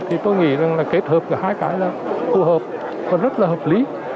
thì tôi nghĩ rằng là kết hợp cả hai cái là phù hợp còn rất là hợp lý